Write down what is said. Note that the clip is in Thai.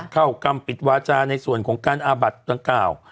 เข้ากรรมปิดวาจาระในส่วนของการอาบัติละ๙